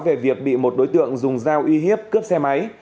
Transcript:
về việc bị một đối tượng dùng dao uy hiếp cướp xe máy